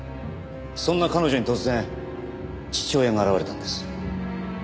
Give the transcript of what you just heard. そんな彼女に突然父親が現れたんです。